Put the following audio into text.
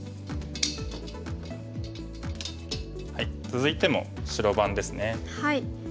続いても白番ですね。